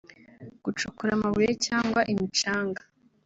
gucukura amabuye cyangwa imicanga